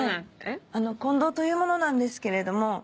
あの近藤という者なんですけれども。